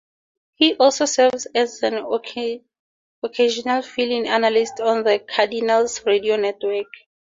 He also serves as an occasional fill-in analyst on the Cardinals Radio Network.